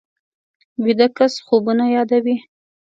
ویده کس خوبونه یادوي